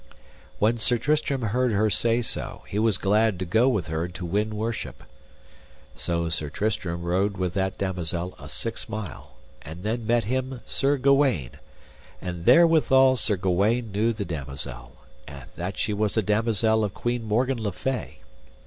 When Sir Tristram heard her say so, he was glad to go with her to win worship. So Sir Tristram rode with that damosel a six mile, and then met him Sir Gawaine, and therewithal Sir Gawaine knew the damosel, that she was a damosel of Queen Morgan le Fay.